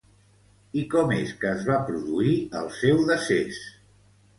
I com és que es va produir el seu decés?